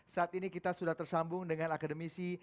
saat ini kita sudah tersambung dengan akademisi